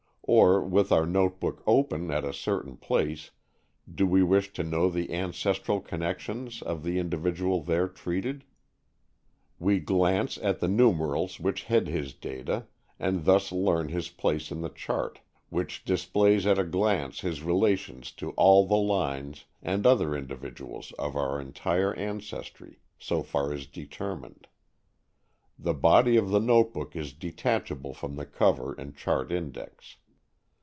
Or, with our notebook open at a certain place, do we wish to know the ancestral connections of the individual there treated? We glance at the numerals which head his data, and thus learn his place in the chart, which displays at a glance his relations to all the lines and other individuals of our entire ancestry, so far as determined. The body of the notebook is detachable from the cover and chart index.